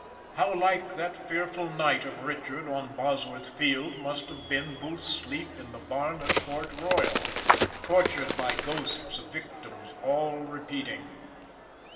How like that fearful night of Richard on Bosworth field must have been Booth's sleep in the barn at Port Royal, tortured by ghosts of victims all repeating.